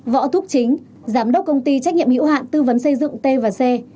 võ thúc chính giám đốc công ty trách nhiệm hữu hạn tư vấn xây dựng t và c